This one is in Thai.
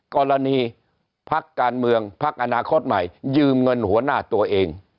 กรณีพักการเมืองพักอนาคตใหม่ยืมเงินหัวหน้าตัวเอง